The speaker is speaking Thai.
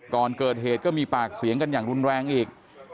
ก่อนเกิดเหตุก็มีปากเสียงกันอย่างรุนแรงอีก